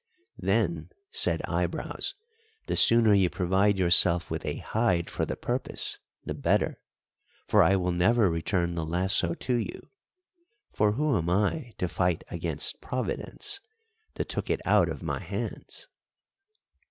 "Then," said Eyebrows, "the sooner you provide yourself with a hide for the purpose, the better, for I will never return the lasso to you; for who am I to fight against Providence, that took it out of my hands?"